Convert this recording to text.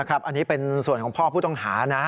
อันนี้เป็นส่วนของพ่อผู้ต้องหานะ